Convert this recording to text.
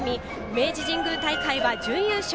明治神宮大会は準優勝。